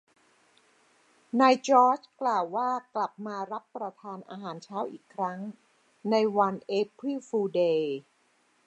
นายจอร์จกล่าวว่ากลับมารับประทานอาหารเช้าอีกครั้งในวันเอพริลฟูลเดย์